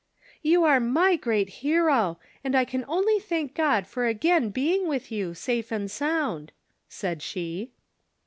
" You are my great hero, and I can only thank God for again being with you, safe and sound," said she.